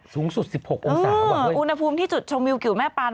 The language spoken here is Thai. สูงสุด๑๖องศาหรือเปล่าเว้ยอืมอุณหภูมิที่จุดชมิวกิ๋วแม่ปาน